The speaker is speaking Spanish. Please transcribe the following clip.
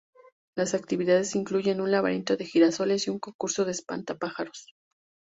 Las actividades incluyen un laberinto de girasoles y un concurso de espantapájaros.